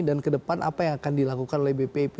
dan kedepan apa yang akan dilakukan oleh bpip